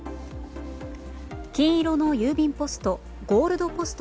金色の郵便ポスト